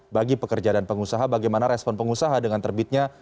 bagi pekerja dan pengusaha bagaimana respon pengusaha dengan terbitnya